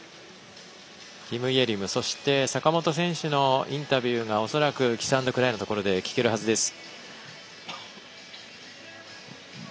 キム・イェリムそして坂本選手のインタビューが恐らく、キスアンドクライのところで聞けるはずです。